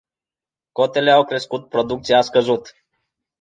Cotele au crescut, producția a scăzut.